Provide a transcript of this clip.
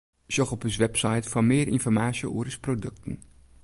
Sjoch op ús website foar mear ynformaasje oer ús produkten.